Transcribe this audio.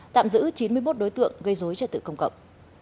tạm giữ chín mươi một đối tượng gây dối trật tự công cộng